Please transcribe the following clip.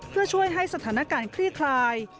เพื่อช่วยให้สถานการณ์คลี่คลาย